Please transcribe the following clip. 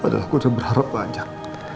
padahal aku sudah berharap banyak